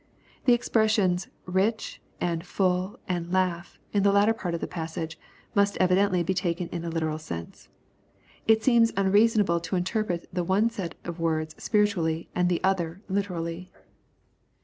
The expressions, " rich," and " full," and " laugh," in the latter part of the passage, must evidently be taken in a literal sense. It seems unreasonable to interpret the one set of words spiritually and the other literally.